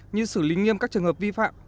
như xử lý nghiêm các trường hợp vi phạm